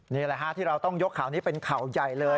นี่แหละฮะที่เราต้องยกข่าวนี้เป็นข่าวใหญ่เลย